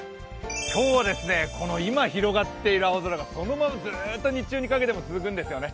今日は今広がっている青空がそのままずっと日中にかけても続くんですよね。